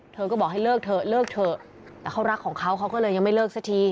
เธอก็บอกให้เลิกเถอะเลิกเถอะแต่เขารักของเขาเขาก็เลยยังไม่เลิกสักที